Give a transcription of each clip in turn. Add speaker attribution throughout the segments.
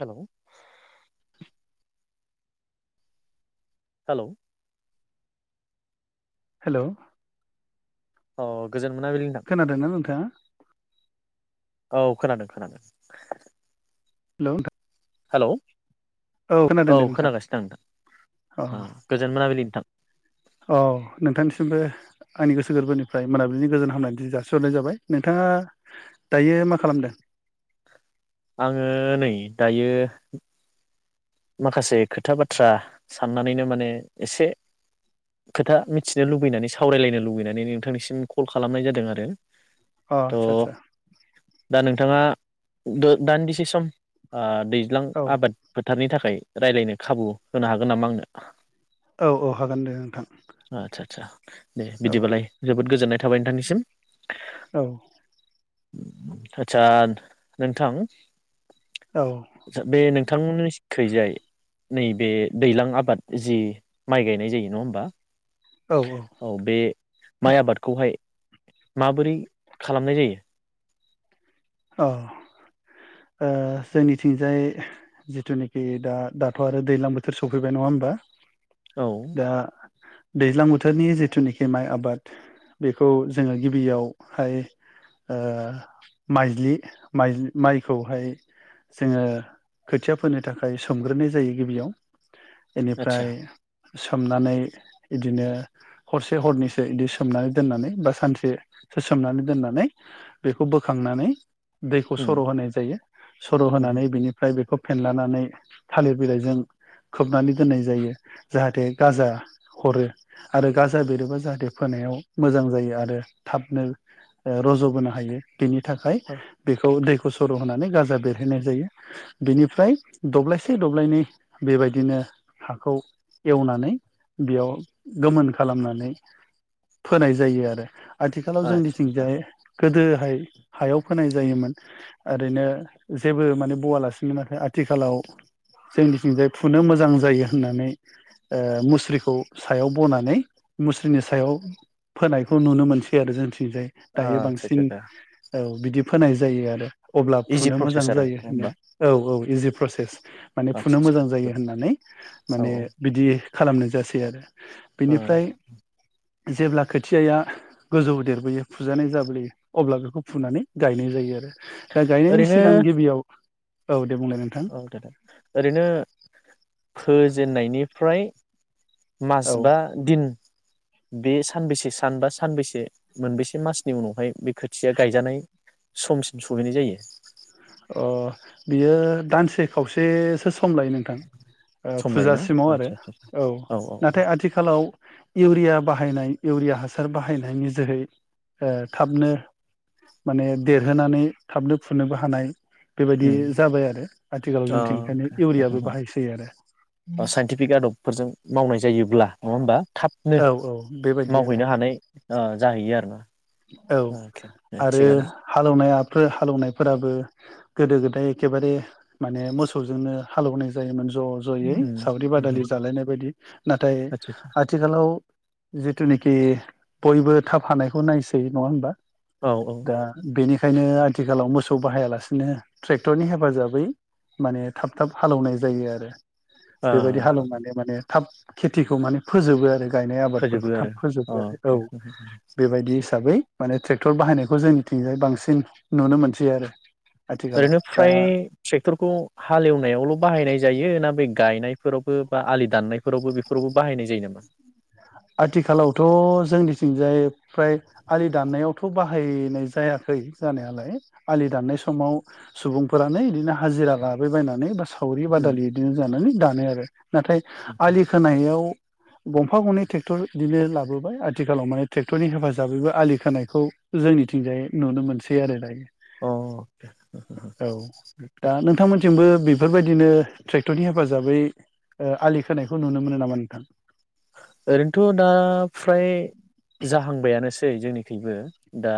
Speaker 1: Hello
Speaker 2: [inaudible]
Speaker 1: hello
Speaker 2: hello
Speaker 1: अ गोजोन मोनाबिलि नोंथां
Speaker 2: खोनादोंना नोंथाङा
Speaker 1: औ खोनादों खोनादों
Speaker 2: हेलौ नोंथा
Speaker 1: हेलौ औ
Speaker 2: दे नोंथां
Speaker 1: खोनागासिनो दं नोंथां
Speaker 2: औ
Speaker 1: उम ओ गोजोन मोनाबिलि नोंथां
Speaker 2: औ नोंथांनिसिमबो आंनि गोसो गोरबोनिफ्राय मोनाबिलिनि गोजोन हामलायनाय जासिहरनाय जाबाय नोंथाङा दायो मा खालामदों?
Speaker 1: आङो नै दायो माखासे खोथा बाथ्रा साननानैनो माने एसे खोथा मिथिनो लुबैनानै सावरायलायनो लुबैनानै नोंथांनिसिम कल खालामनाय जादों आरो
Speaker 2: अ आतसा आतसा
Speaker 1: थाङा दान्दिसे सम ओ दैज्लां
Speaker 2: औ
Speaker 1: आबाद फोथारनि थाखाय रायज्लायनो खाबु होनो हागोन नामा आंनो
Speaker 2: औ औ हागोन दे नोंथां
Speaker 1: आदसा आदसा दे
Speaker 2: औ
Speaker 1: बिदिबालाय जोबोद गोजोननाय था थाबाय नोंथांनिसिम
Speaker 2: औ
Speaker 1: आथसा नोंथां
Speaker 2: औ
Speaker 1: बे नोंथांमोननि ओरैजाय नैबे दैलां आबाद जि माइ गायनाय जायो नङा होमबा
Speaker 2: औ
Speaker 1: औ बे माइ आबादखौहाय माबोरै खालामनाय जायो
Speaker 2: अह ओ जोंनिथिंजाय जिथुनाखि दा दाथ' आरो दैज्लां बोथोर सफैबाय नङा होमबा
Speaker 1: औ
Speaker 2: दा दैज्लां बोथोरनि जिथुनाखि माइ आबाद बेखौ जोङो गिबियावहाय ओ माइज्लि माइ माइखौहाय जोङो खोथिया फोनो थाखाय सोमग्रोनाय जायो गिबियाव
Speaker 1: आदसा
Speaker 2: बेनिफ्राय सोमनानै इदिनो हरसे हरनैसो इदि सोमनानै दोननानै बा सानसेसो सोमनानै दोननानै बेखौ बो खांनानै दैखौ
Speaker 1: उम
Speaker 2: सर' होनाय जायो सर'
Speaker 1: उम
Speaker 2: होनानै बिनिफ्राय बेखौ फेनलानानै थालिर बिलाइजों खोबनानै दोननाय जायो जाहाथे गाजा हरो आरो गाजा बेरोबा जाहाथे फोनायाव मोजां जायो आरो थाबनोओ रज'बोनो हायो । बिनि थाखाय
Speaker 1: अ
Speaker 2: बेखौ दै फुसरु होनानै गाजा बेरहैनाय जायो बेनिफ्राय दब्लायसे दब्लायनै बेबायदिनो हाखौ एवनानै बेयाव गोमोन खालामनानै फोनाय जायो आरो आथिखालाव
Speaker 1: आदसा आदसा
Speaker 2: जोंनिथिंजाय गोदोहाय हायाव फोनाय जायोमोन ओरैनो जेबो माने बवालासिनोमो आथिखालाव जोंनिथिंजाय फुनो मोजां जायो होननानै ओ मुस्रिखौ सायाव बनानै मुस्रिनि सायाव फोनायखौ नुनो मोनसै आरो जोंनिथिं जाय दायो
Speaker 1: आदसा आदसा
Speaker 2: बांसिन
Speaker 1: आदसा
Speaker 2: बिदि फोनाय जायो आरो अब्ला
Speaker 1: इजि
Speaker 2: फुनो मोजां
Speaker 1: प्रसेस आरो
Speaker 2: जायो
Speaker 1: नङा
Speaker 2: होनो
Speaker 1: होमबा
Speaker 2: औ औ इजि प्रसेस माने फुनो
Speaker 1: आदसा
Speaker 2: मोजां जायो होननानै
Speaker 1: आदसा औ
Speaker 2: माने
Speaker 1: औ
Speaker 2: बिदि खालामनो जासै आरो
Speaker 1: ओ
Speaker 2: बिनिफ्राय जेब्ला खोथियाया गोजौ देरबोयो फुजानाय जाबोयो अब्ला बेखौ फुनानै गायनाय जायो आरो दा गायनायनि
Speaker 1: ओरैनो
Speaker 2: सिगां गिबियाव औ दे बुंलाय नोंथां
Speaker 1: औ दे दे ओरैनो फोजेननायनिफ्राय मास
Speaker 2: औ
Speaker 1: बा दिन बे सानबोसे सान बा सानबोसे मोनबेसे मासनि उनावहाय बे खोथिया गायजानाय समसिम सहैनाय जायो?
Speaker 2: अ बियो दानसे खावसेसो सम लायो नोंथां
Speaker 1: सम लायोना
Speaker 2: फुजासिमाव आरो
Speaker 1: आदसा आदसा
Speaker 2: औ नाथाय आथिखालाव इउरिया बाहायनाय इउरिया हासार बाहायनायनि जोहै ओ थाबनो माने देरहोनानै थाबनो फुनोबो हानाय बेबायदि
Speaker 1: ओम
Speaker 2: जाबाय आरो आथिखालाव जोंथिं ओंखायनो इउरियाबो बाहायसै आरो
Speaker 1: ओ साइन्टिफिक आदबफोरजों मावनाय जायोब्ला नङा होमबा थाबनो
Speaker 2: औ औ बेबायदि आरो
Speaker 1: मावहैनो हानाय ओ जाहैयो आरो ना
Speaker 2: औ आरो हालौनाया हालौनायफोराबो गोदो गोदाय एखेबारे माने मोसौजोंनो हालौवनाय जायोमोन ज' ज'यै
Speaker 1: उम
Speaker 2: सावरि बादालि जालायनाय बायदि नाथाय
Speaker 1: आदसा आदसा
Speaker 2: आथिखालाव ज जिथुनिखि बयबो थाब हानायखौ नायसै सै नङा होनबा
Speaker 1: औ
Speaker 2: दा बेनि खायनो आथिखालाव मोसौ बाहायालासिनो ट्रेक्टरनि हेफाजाबै माने थाब थाब हालौनाय जायो आरो
Speaker 1: ओ
Speaker 2: बेबायदि हालौवनानै माने थाब खेथिखौ माने फोजोबो आरो। गायनाय
Speaker 1: फोजोबो
Speaker 2: आबादफोरखौ थाब
Speaker 1: आरो
Speaker 2: फोजोबनो औ
Speaker 1: अके
Speaker 2: बेबायदिस माने ट्रेक्टर बाहायनायखौ जोंनिथिंजाय बांसिन नुनो मोनसै आरो। आथिखालाव
Speaker 1: ओरैनो फ्राय
Speaker 2: दा
Speaker 1: ट्रेक्टरखौ हालेवनायावल' बाहायनाय ज जायो ना बे गायनायफोरावबो बा आलि दाननायफोरावबो बेफोरावबो बाहायनाय जायो नामा?
Speaker 2: आथिखालावथ' जोंनिथिंजाय फ्राय आलि दाननायावथ' बाहायनाय जायाखै जानायालाय आलि दाननाय समाव सुबुंफोरानो इदिनो हाजिरा लाबोबायनानै बा सा
Speaker 1: उम
Speaker 2: सावरि-बादालि बिदिनो जानानै दा [unintelligible] आरो नाथाय आलि खोनायाव गंफा गनि टेक्टर बिदिनो लाबोबाय आथिखालाव माने ट्रेक्टरनि हेफाजाबैबो आलि खोनायखौ जोंनिथिंजाय नुनो मोनसै आरो दायो। औ दा नोंथांमोनथिंबो
Speaker 1: अह।
Speaker 2: बेफोरबायदिनो ट्रेक्टरनि हेफाजाबै ओ आलि खोनायखौ नुनो मोनो नामा नोंथां।
Speaker 1: ओरैनोथ' दा फ्राय जाहांबायानोसो सै जोंनिखैबो दा।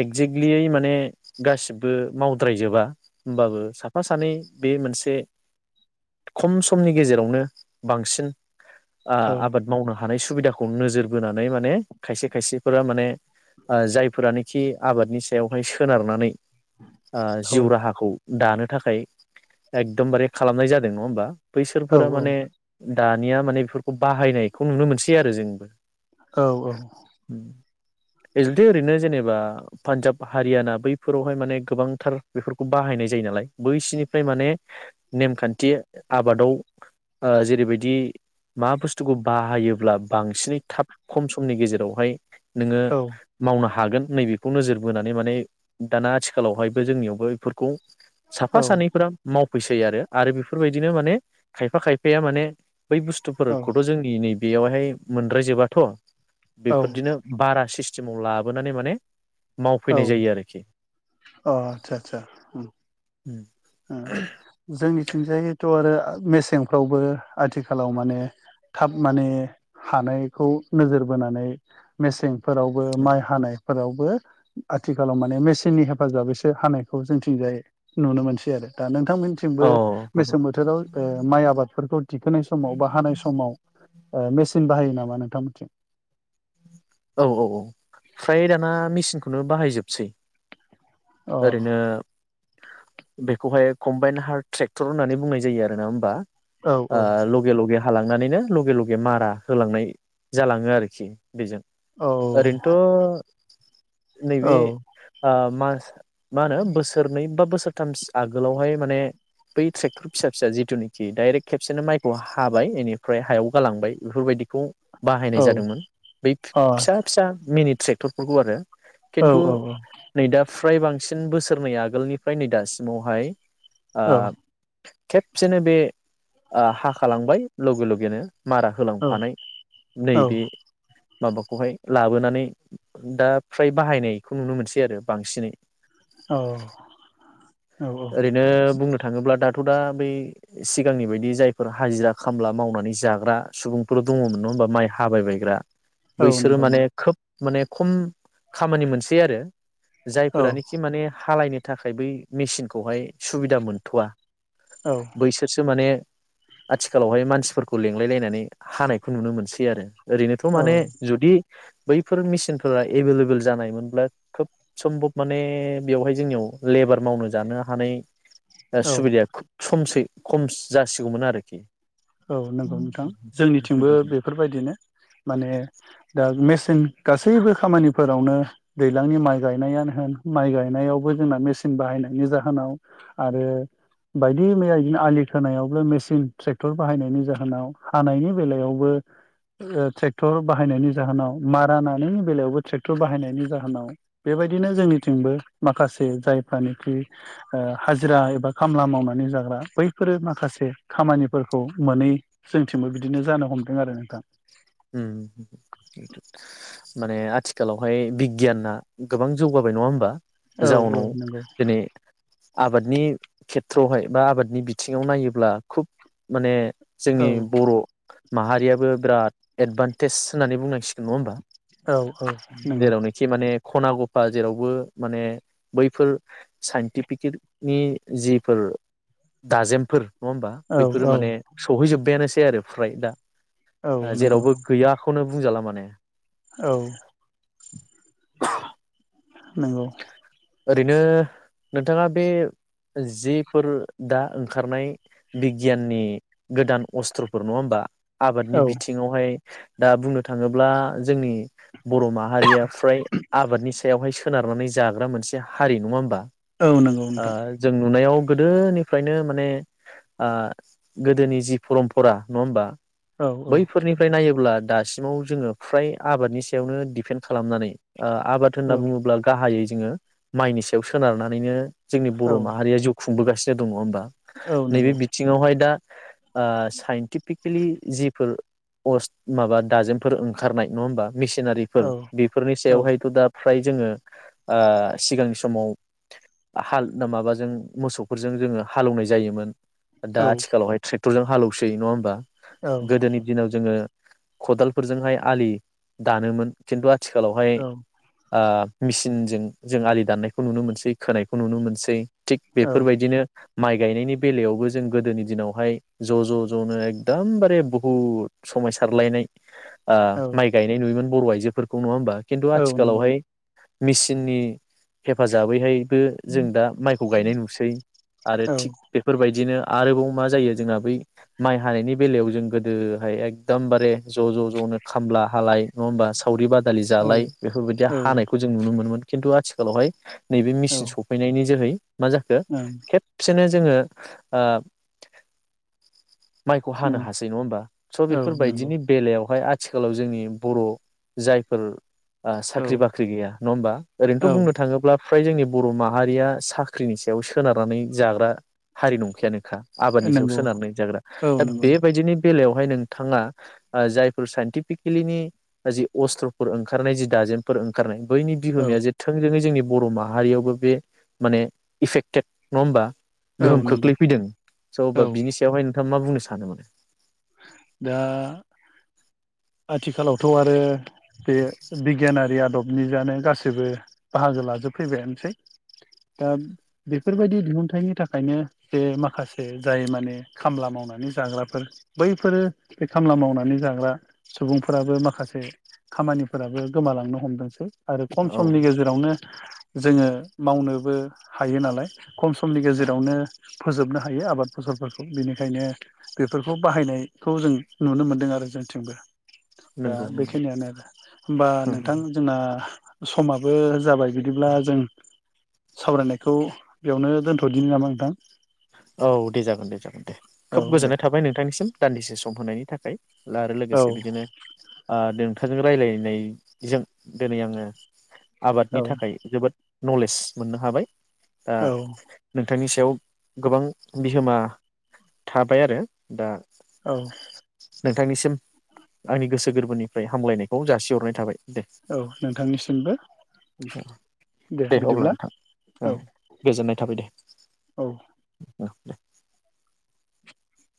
Speaker 1: एक्जेक्टलियै माने गासिबो मावद्रायजोबा होमबाबो साफा सानै बे मोनसे खम समनि गेजेरावनो बांसिन। ओ
Speaker 2: औ
Speaker 1: आबाद मावनो हानाय सु सुबिदाखौ नोजोर बोनानै माने खायसे खायसेफोरा माने ओ जायफोरानो। खि आबादनि सायावहाय सोनारनानै। ओ
Speaker 2: औ
Speaker 1: जिउ राहाखौ। दानो थाखाय एकदमबारे खालामनाय जादों नङा होमबा।
Speaker 2: औ
Speaker 1: बैसोरफोरा माने। दानिया माने बिफोरखौ बाहायनायखौ नुनो मोनसै आरो जोंबो।
Speaker 2: औ औ।
Speaker 1: बे जुदि ओरैनो जेनेब बा पानजाब हारियाना बैफोरावहाय माने गोबांथार बेफोरखौ बाहायनाय जायो नालाय बैसिनिफ्राय माने नेमखान्थि आबादाव ओ जेरैबायदि मा बुस्थुखौ बाहायोब्ला बांसिनै थाब खम समनि गेजेरावहाय। नोंङो
Speaker 2: औ
Speaker 1: मावनो हा हागोन। नैबेखौ नोजोर बोनानै माने दाना आथिखालावहायबो जोंनियावबो इफोरखौ।
Speaker 2: औ
Speaker 1: साफा सानैफोरा मावब फैसै आरो बिफोरबायदिनो माने खायफा-खायफाया माने। बै
Speaker 2: औ
Speaker 1: बुस्थुफोरखौथ' जोंनि नैब बेयावहाय मोनद्रायजोबाथ'।
Speaker 2: औ
Speaker 1: बेफोरदिनो बारा सिसथ सिमाव लाबोनानै माने।
Speaker 2: औ
Speaker 1: मावफैनाय जायो आरोखि
Speaker 2: औ आतसा आतसा जोंनिथिंजायथ आरो मेसेंफ्रावबो आथिखालाव माने थाब माने हानायखौ नोजोर बोनानै मेसें फोरावबो माइ हानाय फोरावबो आथिखालाव माने मेचननि हेफाजाबैसो हानायखौ जोंथिंजाय नुनो मोनसै आरो
Speaker 1: औ
Speaker 2: बिथांमोननिथिंबो मेसें बोथोराव ओ माइ आबादफोरखौ दिखोनाय समाव बा हानाय समाव मेसिन बाहायो नामा नोंथांमोनथिं
Speaker 1: औ औ औ फ्राय दाना मेचनखौ खौनो बाहायजोबसै
Speaker 2: अ
Speaker 1: ओरैनो बेखौहाय कम्बाइन हार्ड ट्रेक्टर होननानै बुंनाय जायो आरो ना होमबा
Speaker 2: औ
Speaker 1: आ
Speaker 2: औ
Speaker 1: लगे लगे हालांनानैनो लगे लगे मारा होलांनाय जालाङो आरोखि बेजों
Speaker 2: औ
Speaker 1: ओरैनोथ‌‌
Speaker 2: औ
Speaker 1: नैबे ओ मास मा होनो बोसोरनै बा बोसोरथाम आगोलावहाय माने बै ट्रेक्टर फिसा फिसा जिथुनिखि डाइरेक्ट खेबसेनो माइखौ हाबाय इनिफ्राय हायाव गालांबाय बेफोरबायदिखौ बाहायनाय
Speaker 2: औ अ
Speaker 1: जादोंमोन बै फिसा
Speaker 2: औ
Speaker 1: फिसा मिनिट ट्रेक्टरफोरखौ आरो खिन्थु
Speaker 2: औ औ
Speaker 1: नैदा फ्राय बांसिन बोसोरनै आगोलनिफ्राय नै दासिमावहाय आ
Speaker 2: औ
Speaker 1: खेबसेनो बे ओ हाखालांबाय लगे लगेनो मारा होलांफानाय नैबे माबाखौहाय लाबोनानै दा फ्राय बाहायनायखौ नुनो मोनसै आरो बांसिनै
Speaker 2: औ औ
Speaker 1: ओरैनो बुंनो थाङोब्ला दा दथ दा बै सिगांनि बायदि जायफोर हाजिरा खामला मावनानै जाग्रा सुबुंफोर दङमोन नङा होमबा माइ हाबायबायायग्रा
Speaker 2: औ
Speaker 1: बैसोरो
Speaker 2: नंगौ नंगौ
Speaker 1: माने खोब माने खम खामानि मोनसै आरो
Speaker 2: औ
Speaker 1: जायफोरानोखि माने हालायनो थाखाय बै मेचिन खौहाय सुबिदा मोनथवा
Speaker 2: औ
Speaker 1: बैसोरसो माने आथिखालावहाय मानसिफोरखौ लिंलाय लायनानै हानायखौ नुनो मोनसै आरो। ओरैनोथ माने
Speaker 2: औ
Speaker 1: जुदि बैफोर मेसिनफोरा एभेलेबेल जानायमोनब्ला खोब सम्भब माने बेवहाय जोंनियाव लेबार मावनो जानो हानाय सुबिदाया खुब खमसै खम जासिगौमोन आरोखि
Speaker 2: औ नंगौ नोंथां जोंनिथिंबो बेफोर बायदिनो माने दा मेसे जों गासैबो खामानिफोरावनो दैज्लांनि माइ गायनायानो होन माइ गायनायावबो जोंना मेचिन बाहायनायनि जाहोनाव आरो बायदि मैया बिदिनो आलि खोनायावबो मेसिन ट्रेक टर बाहायनायनि जाहोनाव हानायनि बेलायावबो ट्रेक्टर बाहायनायनि जाहोनाव मारा नानायनि बेलायावबो ट्रेक्टर बाहायनायनि जाहोनाव बेबायदिनो जोंनिथिंबो माखासे जायफ्रानिखि हाजिरा एबा खामला मावनानै जाग्रा बैफोरो माखासे खामानि फोरखौ मोनै जोंथिंबो बिदिनो जानो हमदों आरो नोंथां।
Speaker 1: उम माने आथिखालावहाय बिगियाना गोबां जौगाबाय नङा होमबा?
Speaker 2: आरो नोंथां औ औ
Speaker 1: जाउनाव
Speaker 2: नंगौ
Speaker 1: दिनै आबादनि खेथ्रयावहाय बा आबादनि बिथिङाव नायोब्ला खुब माने
Speaker 2: औ
Speaker 1: जोंनि बर' माहारियाबो बिराद एदभान्टेज होननानै बुंनांसिगोन नङा होमबा?
Speaker 2: औ औ नंगौ
Speaker 1: जेरावनोखि माने खना गफा जेरावबो माने बैफोर साइन्टिफिकेनि जिफोर दाजेमफोर नङा होमबा
Speaker 2: औ
Speaker 1: बैफोरो
Speaker 2: औ
Speaker 1: माने सहैजोबबायानोसै आरो फ्राय दा
Speaker 2: औ नंगौ
Speaker 1: जेरावबो गैया। खौनो बुंजाला माने
Speaker 2: औ नंगौ
Speaker 1: ओरैनो नोंथाङा बे जेफोर दा ओंखारनाय बिगियाननि गोदान अस्त्रफोर नङा होमबा? आबादनि
Speaker 2: औ
Speaker 1: बिथिङावहाय दा बुंनो थाङोब्ला जोंनि बर' माहारिया फ्राय आबादनि सायावहाय सो सोनारनानै जाग्रा मोनसे हारि नङा होमबा?
Speaker 2: औ नंगौ नोंथां
Speaker 1: ओ जों नुनायाव गोदोनिफ्रायनो माने गोदोनि ओ जि परमपरा नङा होमबा?
Speaker 2: औ
Speaker 1: बैफोरनिफ्राय नायोब्ला दासिमाव जोङो फ्राय आबादनि सायावनो दिपेन्ड खालामनानै आबाद होनना
Speaker 2: औ
Speaker 1: बुङोब्ला गाहायै जोङो माइनि सायाव सोनारनानैनो जोंनि
Speaker 2: औ
Speaker 1: बर' माहारिया जौ खुंबोगासिनो दं नङा होमबा
Speaker 2: औ
Speaker 1: नैबे
Speaker 2: नंगौ
Speaker 1: बिथिङावहाय दा ओ साइन्टिफ फिकेलि जिफोर अस् माबा दाजेमफोर ओंखारनाय नङा होमबा
Speaker 2: औ
Speaker 1: मिसिनारिफोर बेफोरनि
Speaker 2: औ
Speaker 1: सायावहायथ' दा फ्राय जोङो ओ सिगांनि समाव हाल माबाजों मोसौफोरजों जोङो हालौवनाय जायोमोन दा
Speaker 2: औ
Speaker 1: आथिखालावहाय ट्रेक टरजों हालौसै नङा होनबा
Speaker 2: औ
Speaker 1: गोदोनि दिनाव जोङो खदालफोरजोंहाय आलि दानोमोन खिन्थु आ थिखालावहाय आ मेसिनजों जों आलि दाननायखौ नुनो मोनसै खोनायखौ नुनो मोनसै थिग
Speaker 2: औ
Speaker 1: बेफोरबायदिनो माइ गायनायनि बेलायावबो जों गोदोनि दिनावहाय ज' ज' ज'नो एकदमबारे बहुद समायसारलायनाय ओ माइ गायनाय नुयोमोन बर' आइ जोफोरखौ नङा होमबा खिन्थु
Speaker 2: औ औ नंगौ
Speaker 1: आथिखालावहाय मेचिननि हेफाजाबैहायबो जों दा माइखौ गायनाय नुसै आरो
Speaker 2: औ
Speaker 1: थिग बेफोरबायदिनो आरोबाव मा जायो जोंना बै माइ हानायनि बेलायाव जों गोदोहाय एकदमबारे ज' ज' ज'नो खामला हालाय नङा होनबा सावरि बाद दालि
Speaker 2: औ
Speaker 1: जालाय बेफोरबायदि
Speaker 2: औ
Speaker 1: हानायखौ नुनो मोनोमोन खिन्थु आथिखालावहाय नैबे
Speaker 2: औ
Speaker 1: मेसिन सफैनायनि जोहै मा जाखो
Speaker 2: ओं
Speaker 1: खेबसेनो जोङो ओ माइखौ हानो
Speaker 2: ओं
Speaker 1: हासै नङा होमबा स'
Speaker 2: औ नंगौ
Speaker 1: बेफोरबायदिनि बेलायावहाय आ थिखालाव जोंनि बर' जायफोर ओ
Speaker 2: औ
Speaker 1: साख्रि बाख्रि ख्रि गैया नङा होमबा ओरैनोथ
Speaker 2: औ
Speaker 1: बुंनो थाङोब्ला फ्राय जोंनि बर' माहारिया साख्रिनि सायाव सोनारनानै जाग्रा हारि नंखायानोखा आबादनि सायाव
Speaker 2: नंगौ
Speaker 1: सोनारनानै जाग्रा
Speaker 2: औ
Speaker 1: दा
Speaker 2: नंगौ
Speaker 1: बेबायदिनो बेलायावहाय नोंथाङा जायफोर साइनटिफिकेलिनि जि अस्त्रफोर ओंखारनाय जि दाजेनमफोर ओंखारनाय बैनि
Speaker 2: औ
Speaker 1: बिहोमाया जे थोंजोङै जोंनि बर माहारियावबो बे माने इफेक्टेड नङा होमबा
Speaker 2: औ
Speaker 1: गोहोम
Speaker 2: नंगौ
Speaker 1: खोख्लैफैदों स' बा
Speaker 2: औ
Speaker 1: बिनि सायावहाय ना मा बुंनो सानो माने
Speaker 2: दा आथिखालावथ आरो बे बिगियानारि आदबनि जानो गासैबो बाहागो लाजोबफैबायानोसै दा बेफोरबायदि दिहुनथायाइनि थाखायनो जे माखासे जाय माने खामला मावनानै जाग्राफोर बैफोरो बे खामला मावनानै जाग्रा सुबुंफोराबो माखासे खामानिफोराबो गोमालांनो हमदोंसै आरो खम
Speaker 1: औ
Speaker 2: समनि गेजेरावनो जोङो मावनोबो हायो नालाय। खम समनि गेजेरावनो फोजोबनो हायो आबाद फसलफोरखौ बेनिखायनो बेफोरखौ बेखौ बाहायनायखौ जों नुनो मोनदों आरो जोंथिंबो दा
Speaker 1: नंगौ नंगौ
Speaker 2: बेखिनियानो आरो होमबा नोंथां जोंना समाबो जाबाय बिदिब्ला जों सावरायनायखौ बेयावनो दोनथदिनो नामा नोंथां।
Speaker 1: औ दे जागोन दे जागोन दे खोब
Speaker 2: औ दे
Speaker 1: गोजोननाय थाबाय नोंथांनिसिम दान्दिसे सम होनायनि थाखाय आरो आरो
Speaker 2: औ
Speaker 1: लोगोसे बिदिनो ओ नोंथांजों रायजलायनायजों दिनै आङो आबादनि
Speaker 2: औ
Speaker 1: थाखाय जोबोद नलेज मोननो हाबाय। आ
Speaker 2: औ
Speaker 1: नोंथांनि सायाव गोबां बिहोमा थाबाय आरो दा‌।
Speaker 2: औ
Speaker 1: नोंथांनिसिम आंनि गोसो गोरबोनिफ्राय हामलायनायखौ जासिहरनाय थाबाय। दे
Speaker 2: औ नोंथांनिसिमबो।
Speaker 1: दे अब्ला नोंथां ओ
Speaker 2: औ
Speaker 1: गोजोननाय थाबाय दे।
Speaker 2: औ
Speaker 1: औ दे।